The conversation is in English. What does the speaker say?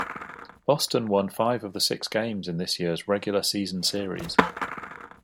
Boston won five of the six games in this year's regular season series.